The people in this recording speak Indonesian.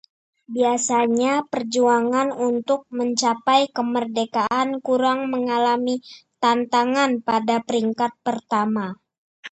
biasanya perjuangan untuk mencapai kemerdekaan kurang mengalami tantangan pada peringkat pertama